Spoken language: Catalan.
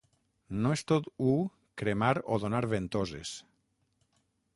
No és tot u cremar o donar ventoses.